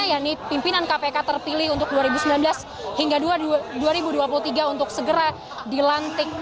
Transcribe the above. yakni pimpinan kpk terpilih untuk dua ribu sembilan belas hingga dua ribu dua puluh tiga untuk segera dilantik